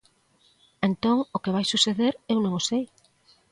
Entón, o que vai suceder, eu non o sei.